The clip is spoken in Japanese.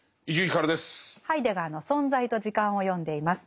ハイデガーの「存在と時間」を読んでいます。